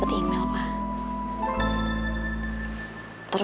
aku akan mencari